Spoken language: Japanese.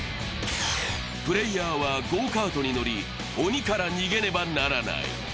プレーヤーはゴーカートに乗り鬼から逃げねばならない。